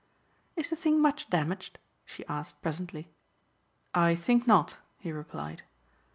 "Is the thing much damaged?" she asked presently. "I think not," he replied.